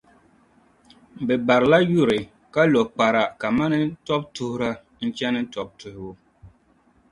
Bɛ barila yuri, ka lo kpara kaman tɔbutuhira n-chani tɔbu tuhibu.